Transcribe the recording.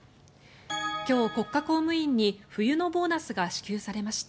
今日、国家公務員に冬のボーナスが支給されました。